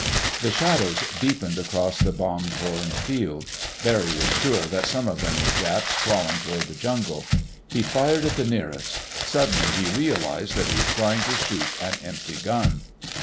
The shadows deepened across the bomb torn field. Barry was sure that some of them were Japs crawling toward the jungle. He fired at the nearest. Suddenly he realized that he was trying to shoot an empty gun.